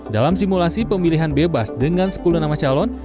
dalam simulasi pemilihan bebas dengan sepuluh nama calon